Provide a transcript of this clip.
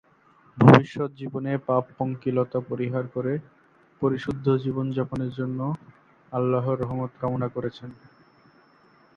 ভবিষ্যৎ জীবনে পাপ-পঙ্কিলতা পরিহার করে পরিশুদ্ধ জীবনযাপনের জন্য আল্লাহর রহমত কামনা করেছেন।